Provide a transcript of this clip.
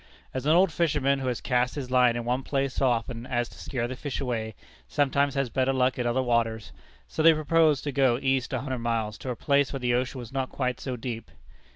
As an old fisherman, who has cast his line in one place so often as to scare the fish away, sometimes has better luck in other waters, so they proposed to go east a hundred miles, to a place where the ocean was not quite so deep.